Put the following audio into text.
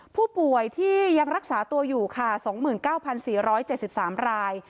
ผู้ป่วยที่ยังรักษาตัวอยู่ค่ะ๒๙๔๗๓ราย